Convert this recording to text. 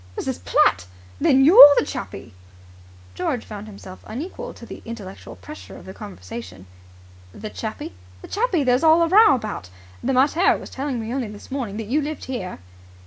Mrs. Platt! Then you're the Chappie?" George found himself unequal to the intellectual pressure of the conversation. "The Chappie?" "The Chappie there's all the row about. The mater was telling me only this morning that you lived here."